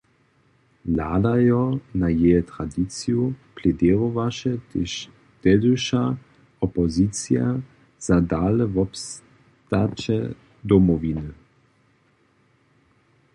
Hladajo na jeje tradiciju pleděrowaše tež tehdyša opozicija za dalewobstaće Domowiny.